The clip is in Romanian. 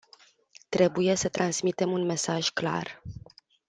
Trebuie să transmitem un mesaj clar.